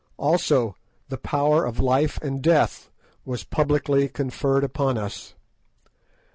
Also the power of life and death was publicly conferred upon us.